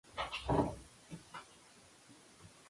He twice featured in the qualifying draw for the Australian Open.